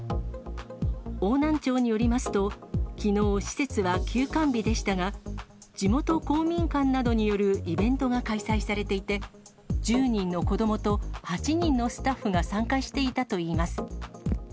邑南町によりますと、きのう、施設は休館日でしたが、地元公民館などによるイベントが開催されていて、１０人の子どもと８人のスタッフが参加していたといいます。